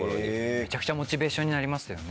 めちゃくちゃモチベーションになりますよね。